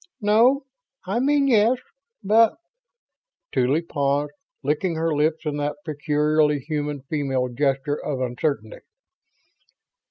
No, I mean yes, but ..." Tuly paused, licking her lips in that peculiarly human female gesture of uncertainty.